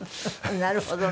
なるほどね。